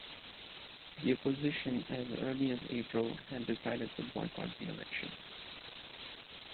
The opposition, as early as April, had decided to boycott the election.